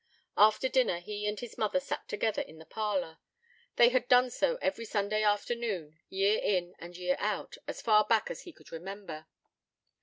After dinner he and his mother sat together in the parlour: they had done so every Sunday afternoon, year in and year out, as far back as he could remember.